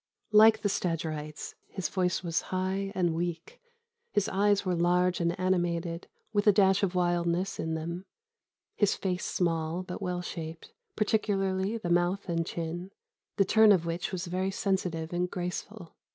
Like the Stagyrites, his voice was high and weak. His eyes were large and animated, with a dash of wildness in them; his face small, but well shaped, particularly the mouth and chin, the turn of which was very sensitive and graceful.